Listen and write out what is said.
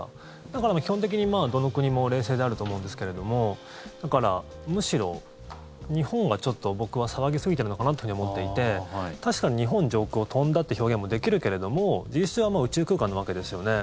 だから、基本的にどの国も冷静であると思うんですけれどもむしろ、日本がちょっと僕は騒ぎすぎてるのかなと思っていて確かに日本上空を飛んだっていう表現もできるけれども実質は宇宙空間のわけですよね。